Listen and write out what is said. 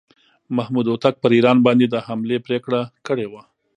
محمود هوتک پر ایران باندې د حملې پرېکړه کړې وه.